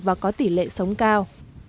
và có tỷ lệ sống cao